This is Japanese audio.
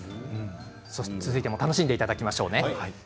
続いても楽しんでいただきましょう。